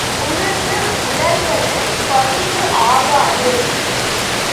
உழுது உலர்ந்தது பழுது ஆகாது.